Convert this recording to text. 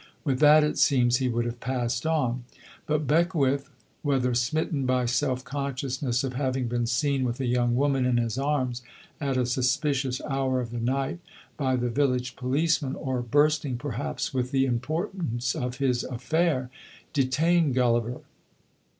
With that, it seems, he would have passed on. But Beckwith, whether smitten by self consciousness of having been seen with a young woman in his arms at a suspicious hour of the night by the village policeman, or bursting perhaps with the importance of his affair, detained Gulliver.